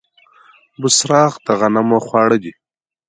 بوسراغ د غنمو خواړه دي.